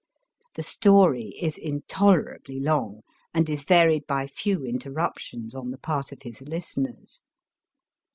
The story is intolerably long, and is varied by few interruptions on the part of his listeners.